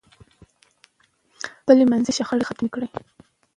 خپل منځي شخړې ختمې کړئ.